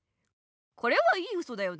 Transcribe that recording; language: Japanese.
これはいいウソだよね？